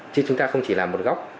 chứ chúng ta không chỉ làm một góc